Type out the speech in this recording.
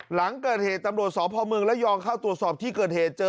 หลังเกิดเหตุตำรวจสอบพระอำไภเมิงระยกเข้าตรวจสอบที่เกิดเหตุเจอ